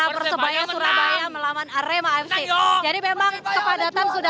berarti agregatnya lima